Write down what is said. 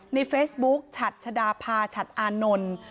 ในเฟซบุ๊กฉัดชดาภาฉัดอานนท์